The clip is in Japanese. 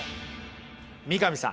三上さん